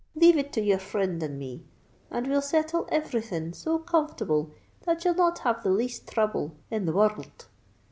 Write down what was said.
Leave it to your frind and me; and we'll settle everything so comfortable that you'll not have the least throuble in the wor rld.